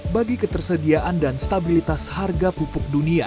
bagi ketersediaan dan stabilitas harga pupuk dunia